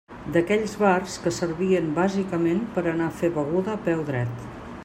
D'aquells bars que servien bàsicament per a anar a fer beguda a peu dret.